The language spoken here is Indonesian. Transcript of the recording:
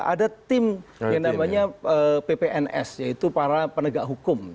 ada tim yang namanya ppns yaitu para penegak hukum